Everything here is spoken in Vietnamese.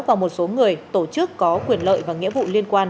và một số người tổ chức có quyền lợi và nghĩa vụ liên quan